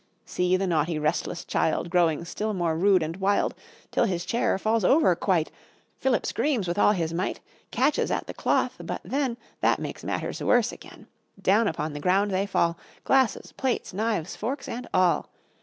See the naughty, restless child Growing still more rude and wild, Till his chair falls over quite. Philip screams with all his might, Catches at the cloth, but then That makes matters worse again. Down upon the ground they fall, Glasses, plates, knives, forks, and all.